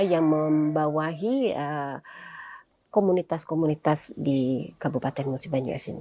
yang membawahi komunitas komunitas di kabupaten musi banyu asin